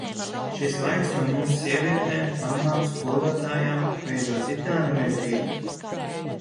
Šis laiks no mums, sievietēm, mammām, skolotājām, veido titāna mežģīnes.